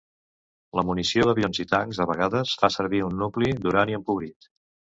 La munició d'avions i tancs a vegades fa servir un nucli d'urani empobrit.